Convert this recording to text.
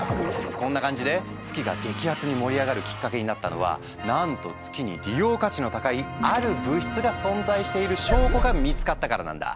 こんな感じで月が激アツに盛り上がるきっかけになったのはなんと月に利用価値の高いある物質が存在している証拠が見つかったからなんだ。